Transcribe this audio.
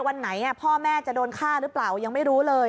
วันไหนพ่อแม่จะโดนฆ่าหรือเปล่ายังไม่รู้เลย